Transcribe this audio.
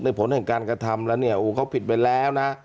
ในผลของการกระทำแล้วเนี่ยอุ๊กเขาผิดไปแล้วนะ